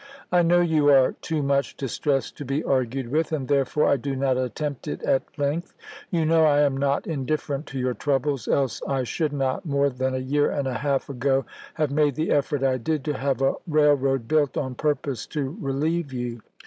I know you are too much distressed to be argued with, and therefore I do not attempt it at length. You know I am not indifferent to your troubles, else I should not, more than a year and a half ago, have made the effort I did to have a rail road built on purpose to relieve you.